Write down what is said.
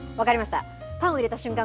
パンを入れた瞬間